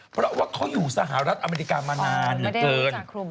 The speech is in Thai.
เพราะว่าเขาอยู่สหรัฐอเมริกามานานเหลือเกิน